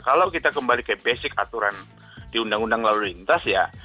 kalau kita kembali ke basic aturan di undang undang lalu lintas ya